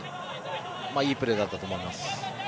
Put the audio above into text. いいプレーだったと思います。